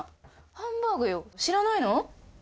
ハンバーグよ知らないの？